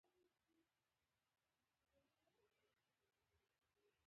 هغه د خپل ملګري آستین کش کړ